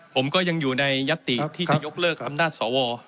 ผมก็ยังอยู่ในยัตติที่จะยกเลิกอำนาจสว